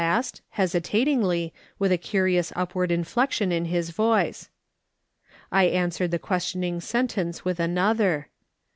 last, hesitatingly, with a curious upward inflection in his voice. I answered the questioning sentence with another